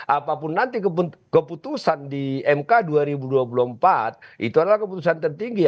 apapun nanti keputusan di mk dua ribu dua puluh empat itu adalah keputusan tertinggi